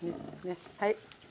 はい。